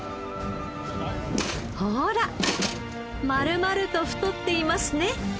ほら丸々と太っていますね。